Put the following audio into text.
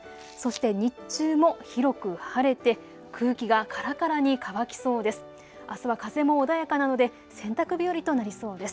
そして日中も広く晴れて空気がからからに乾きそうです。